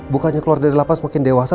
bukannya keluar dari lapas mungkin dewasa